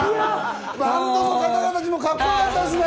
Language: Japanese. バンドの方々もカッコよかったですね！